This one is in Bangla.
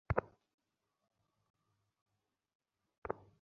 কোথায় ওরা, দাস?